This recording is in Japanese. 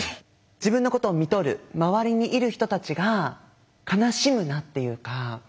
自分のことをみとる周りにいる人たちが悲しむなっていうか。